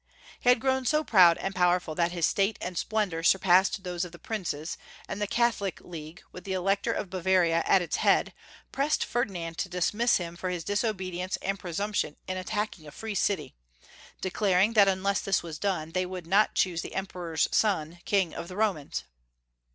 He had grown so proud and powerful that his state and splendor suipassed those of the princes, and the Catholic League, Avith the Elector of Ba varia at its head, pressed Ferdinand to dismiss liim for liis disobedience and presumption in attacldng a free city, declaring that unless this was done, they would not choose the Emperor's son King of the Romans.